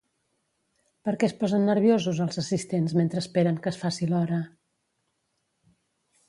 Per què es posen nerviosos els assistents mentre esperen que es faci l'hora?